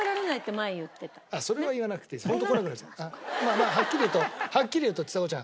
まあはっきり言うとはっきり言うとちさ子ちゃん。